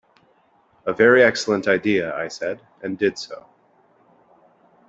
"A very excellent idea," I said, and did so.